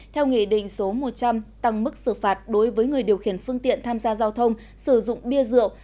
theo nghị định số một trăm linh tăng mức xử phạt đối với người điều khiển phương tiện tham gia giao thông sử dụng bia rượu